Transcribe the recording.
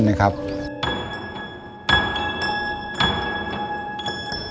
จำตัวของผมก็มีโรคไส้เลื่อน